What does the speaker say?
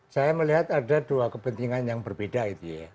saya melihat ada dua kepentingan yang berbeda itu ya